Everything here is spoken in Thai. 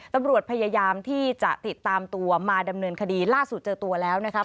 ตำรวจพยายามที่จะติดตามตัวมาดำเนินคดีล่าสุดเจอตัวแล้วนะครับ